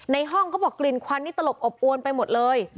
ในห้องเขาบอกกลิ่นควันนี่ตลบอบอวนไปหมดเลย